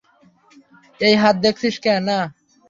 এই হাত দেখছিস না?